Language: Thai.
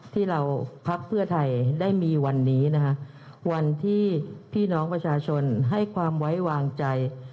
ที่เราพักเพื่อไทยได้มีวันนี้นะฮะวันที่พี่น้องประชาชนให้ความไว้วางใจ